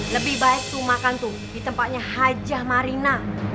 lebih baik tuh makan tuh di tempatnya hajah marina